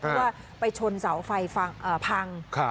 เพราะว่าไปชนเสาไฟพัง